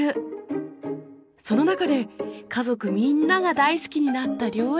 その中で家族みんなが大好きになった料理。